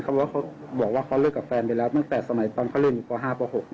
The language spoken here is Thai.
เขาบอกว่าเขาเลิกกับแฟนไปแล้วตั้งแต่สมัยตอนเขาเล่นอยู่ป๕ป๖